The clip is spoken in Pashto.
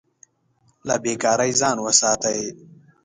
له بې کارۍ ځان وساتئ.